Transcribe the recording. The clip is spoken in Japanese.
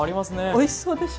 おいしそうでしょ？